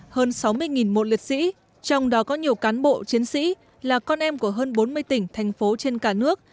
hơn sáu mươi mộ liệt sĩ trong đó có nhiều cán bộ chiến sĩ là con em của hơn bốn mươi tỉnh thành phố trên cả nước